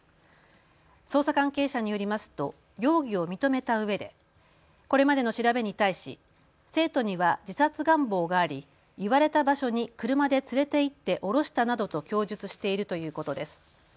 捜査関係者によりますと容疑を認めたうえでこれまでの調べに対し生徒には自殺願望があり言われた場所に車で連れて行って降ろしたなどと供述しているということです。